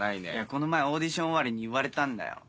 この前オーディション終わりに言われたんだよ。